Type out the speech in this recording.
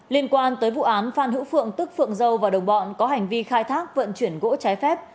liên quan tới vụ án phan hữu phượng tức phượng dâu và đồng bọn có hành vi khai thác vận chuyển gỗ trái phép